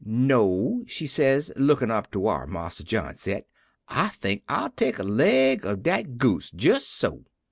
"'No,' she says, lookin' up to whar Marsa John sat; 'I think I'll take a leg ob dat goose' jes so.